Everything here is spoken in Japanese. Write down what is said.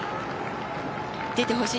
出てほしい